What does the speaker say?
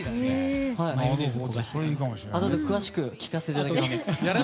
あとで詳しく聞かせていただきます。